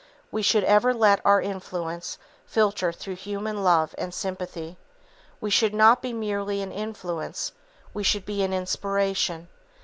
We should ever let our influence filter through human love and sympathy. We should not be merely an influence, we should be an inspiration.